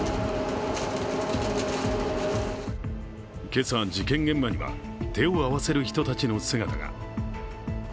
今朝、事件現場には手を合わせる人たちの姿が。